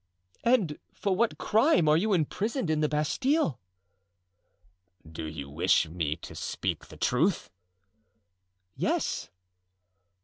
"And for what crime are you imprisoned in the Bastile." "Do you wish me to speak the truth?" "Yes."